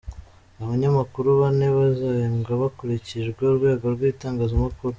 Abanyamakuru bane bazahembwa hakurikijwe urwego rw’igitangazamakuru.